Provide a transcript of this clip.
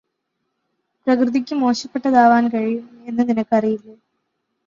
പ്രകൃതിക്ക് മോശപ്പെട്ടതാവാൻ കഴിയും എന്ന് നിനക്ക് അറിയില്ലേ